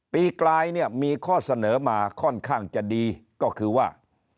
กลายเนี่ยมีข้อเสนอมาค่อนข้างจะดีก็คือว่า